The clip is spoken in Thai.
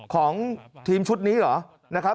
ของทีมชุดนี้หรอ